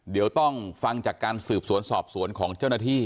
เดี๋ยวต้องฟังจากการสืบสวนสอบสวนของเจ้าหน้าที่